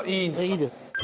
いいです。